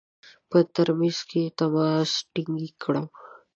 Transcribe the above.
په ترمیز کې تماس ټینګ کړم.